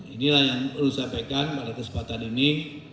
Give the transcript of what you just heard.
inilah yang perlu disampaikan pada kesempatan ini